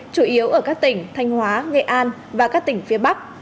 chủ yếu ở các tỉnh thanh hóa nghệ an và các tỉnh phía bắc